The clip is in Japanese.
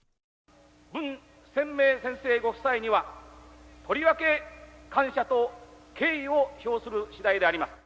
文鮮明先生ご夫妻には、とりわけ感謝と敬意を表するしだいであります。